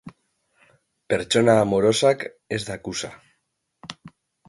Pertsona amorosak ez dakusa.